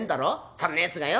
そんなやつがよ